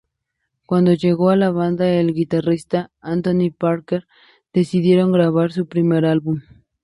Cuando llegó a la banda el guitarrista Anthony Parker, decidieron grabar su primer álbum.